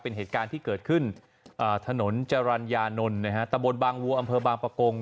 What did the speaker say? เป็นเหตุการณ์ที่เกิดขึ้นถนนจรรยานนท์นะฮะตะบนบางวัวอำเภอบางประกง